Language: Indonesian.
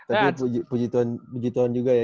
tapi puji pujiton juga ya